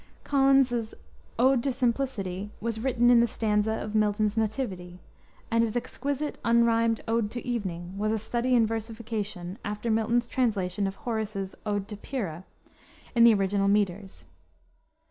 Collins's Ode to Simplicity was written in the stanza of Milton's Nativity, and his exquisite unrimed Ode to Evening was a study in versification, after Milton's translation of Horace's Ode to Pyrrha, in the original meters.